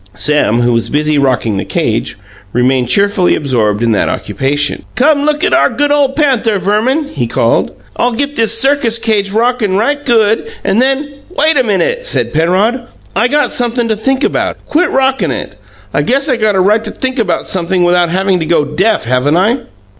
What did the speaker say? Sam, who was busy rocking the cage, remained cheerfully absorbed in that occupation. "Come look at our good ole panther, Verman," he called. "I'll get this circus cage rockin' right good, an' then " "Wait a minute," said Penrod; "I got sumpthing I got to think about. Quit rockin' it! I guess I got a right to think about sumpthing without havin' to go deaf, haven't I?"